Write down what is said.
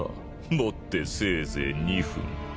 持ってせいぜい２分。